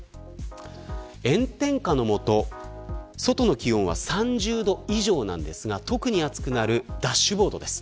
炎天下の下外の気温は３０度以上なんですが特に暑くなるダッシュボードです。